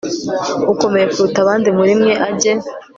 ukomeye kuruta abandi muri mwe ajye